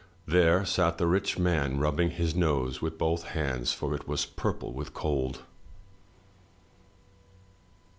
There sat the rich man rubbing his nose with both hands, for it was purple with cold.